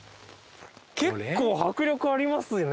結構迫力ありますよね。